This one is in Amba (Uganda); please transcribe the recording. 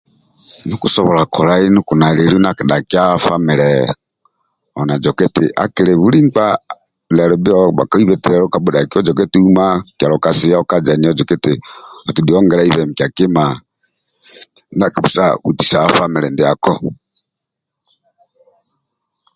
Ndio okusobola kolai ndio koli na lieli ndia akidhakia famile oli na zoka eti akili buli nkpa lelu bhio bhakaiba eti lelu kabhudhaki ozoke uma kyalo kasia otodhi ongelaibe mikia kima ndia akisobola kutisa famile ndiako